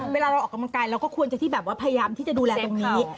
เวลาเราออกกำลังกายเราก็ควรจะที่แบบว่าพยายามที่จะดูแลตรงนี้